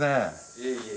いえいえ。